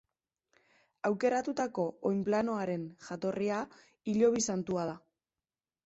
Aukeratutako oinplanoaren jatorria Hilobi santua da.